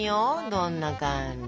どんな感じ？